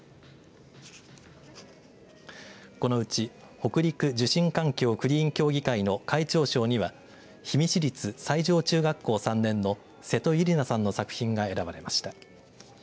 このうち北陸受信環境クリーン協議会の会長賞には氷見市立西條中学校３年の瀬戸悠里名さんの作品が選ばれました。